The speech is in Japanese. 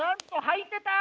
はいてた！